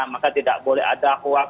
maka tidak boleh ada huaf